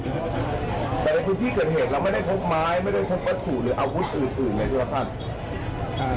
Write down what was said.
แต่ในพื้นที่เกิดเหตุเราไม่ได้พบไม้ไม่ได้พบวัตถุหรืออาวุธอื่นอื่นเลยใช่ไหมครับ